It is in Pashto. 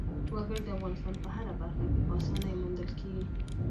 وګړي د افغانستان په هره برخه کې په اسانۍ موندل کېږي.